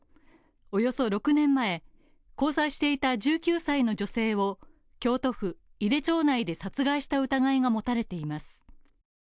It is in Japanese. およそ６年前、交際していた１９歳の女性を京都府井手町内で殺害した疑いが持たれています。